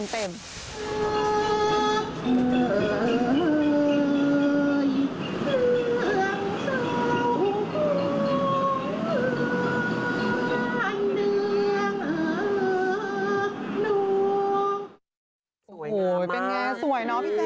โอ๊ยเป็นอย่างไรสวยน่ะพี่แฟน